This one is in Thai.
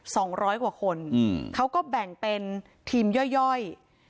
สองร้อยกว่าคนอืมเขาก็แบ่งเป็นทีมย่อยย่อย